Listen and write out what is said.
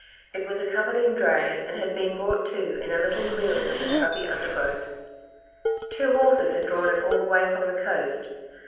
It was a covered in dray, and had been brought to in a little clearing of the scrubby undergrowth. Two horses had drawn it all the way from the coast.